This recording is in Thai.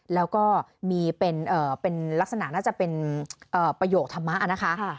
แล้วก็มีเป็นลักษณะน่าจะเป็นประโยคธรรมะนะคะ